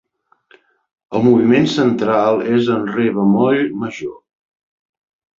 El moviment central es en Re bemoll major.